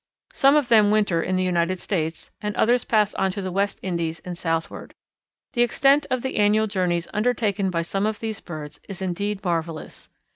Some of them winter in the United States, and others pass on to the West Indies and southward. The extent of the annual journeys undertaken by some of these birds is indeed marvellous.